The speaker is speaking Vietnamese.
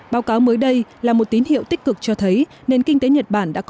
báo cáo mới đây là một tín hiệu tích cực cho thấy nền kinh tế nhật bản đã có